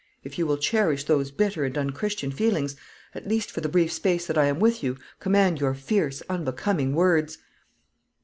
"If you will cherish those bitter and unchristian feelings, at least for the brief space that I am with you, command your fierce, unbecoming words."